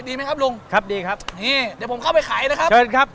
ดีไหมครับลุงครับดีครับนี่เดี๋ยวผมเข้าไปขายนะครับเชิญครับ